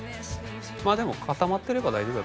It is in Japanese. まあでも固まってれば大丈夫だと。